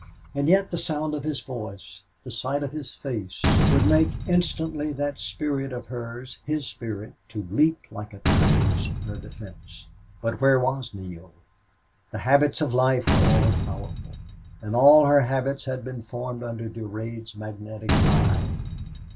And yet the sound of his voice, the sight of his face, would make instantly that spirit of hers his spirit to leap like a tigress in her defense. But where was Neale? The habits of life were all powerful; and all her habits had been formed under Durade's magnetic eye.